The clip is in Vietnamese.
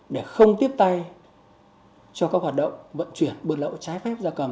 để không tiếp tay cho các hoạt động vận chuyển bước lẫu trái phép da cầm